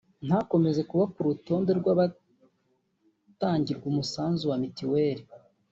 ntakomeze kuba ku rutonde rw’abatangirwa umusanzu wa mituweli”